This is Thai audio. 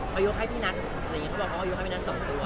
เค้ายกให้พี่นัทแต่อย่างงี้เค้าบอกเค้ายกให้พี่นัทสองตัว